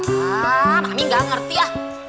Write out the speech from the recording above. ah mami gak ngerti ah